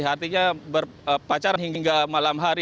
artinya berpacaran hingga malam hari